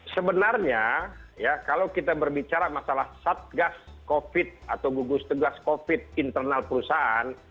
sebenarnya ya kalau kita berbicara masalah satgas covid atau gugus tugas covid internal perusahaan